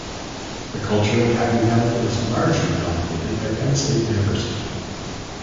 The culture of Happy Valley is largely dominated by Penn State University.